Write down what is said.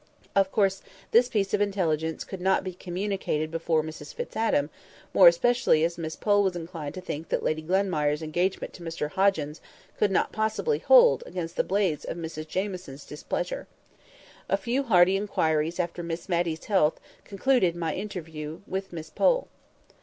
Of course this piece of intelligence could not be communicated before Mrs Fitz Adam, more especially as Miss Pole was inclined to think that Lady Glenmire's engagement to Mr Hoggins could not possibly hold against the blaze of Mrs Jamieson's displeasure. A few hearty inquiries after Miss Matty's health concluded my interview with Miss Pole.